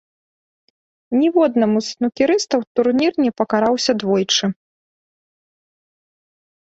Ніводнаму з снукерыстаў турнір не пакараўся двойчы.